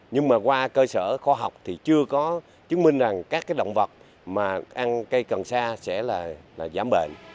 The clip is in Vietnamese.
nhưng mà qua cơ sở khoa học thì chưa có chứng minh rằng các động vật mà ăn cây cần sa sẽ là giảm bệnh